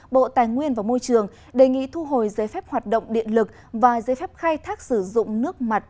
bộ tài nguyên và môi trường đề nghị thu hồi giấy phép hoạt động điện lực và giấy phép khai thác sử dụng nước mặt